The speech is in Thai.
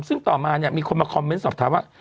ซึ่งต่อมาเนี่ยมีคนมาคอมเมนต์สอบถามว่า